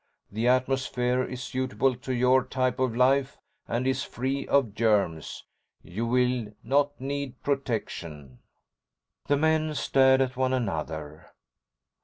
The atmosphere is suitable to your type of life and is free of germs. You will not need protection." The men stared at one another.